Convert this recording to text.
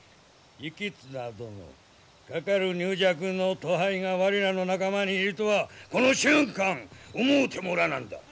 行綱殿かかる柔弱の徒輩が我らの仲間にいるとはこの俊寛思うてもおらなんだ。